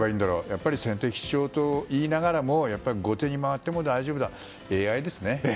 やっぱり先手必勝といいながらも後手に回っても大丈夫だ。